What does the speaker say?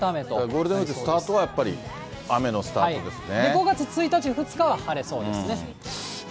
ゴールデンウィークスタートは、やっぱり雨のスタートですね。